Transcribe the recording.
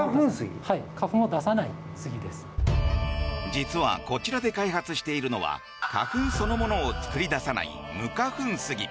実は、こちらで開発しているのは花粉そのものを作り出さない無花粉スギ。